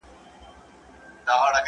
غچ مه اخله ځکه خوند یې لنډ وي.